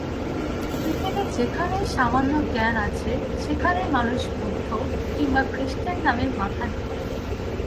পৃথিবীর যেখানেই সামান্য জ্ঞান আছে, সেখানেই মানুষ বুদ্ধ কিম্বা খ্রীষ্টের নামে মাথা নোয়ায়।